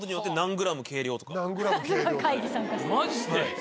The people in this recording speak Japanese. マジで。